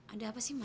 ada apa sih ma